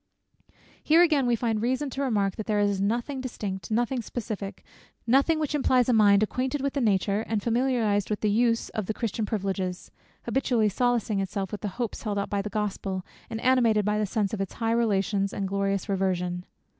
Here again we find reason to remark, that there is nothing distinct, nothing specific, nothing which implies a mind acquainted with the nature, and familiarized with the use of the Christian's privileges, habitually solacing itself with the hopes held out by the Gospel, and animated by the sense of its high relations, and its glorious reversion.